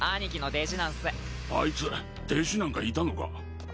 あいつ弟子なんかいたのか？